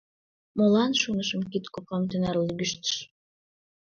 — Молан, шонышым, кид копам тынар лӱгыштыш?